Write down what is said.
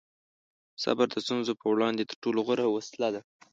صبر د ستونزو په وړاندې تر ټولو غوره وسله ده.